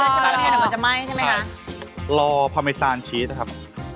อ่ะใส่เลยนะครับใส่เลยครับ